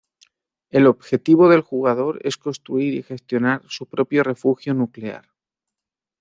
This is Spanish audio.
El objetivo del jugador es construir y gestionar su propio refugio nuclear.